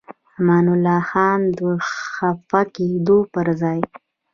امان الله خان د خفه کېدو پر ځای.